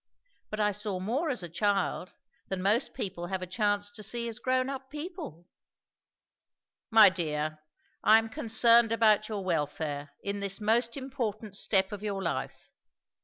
"But I saw more as a child, than most people have a chance to see as grown up people." "My dear, I am concerned about your welfare, in this most important step of your life.